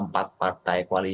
ya silakan yuk